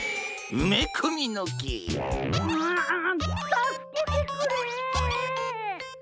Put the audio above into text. たすけてくれ。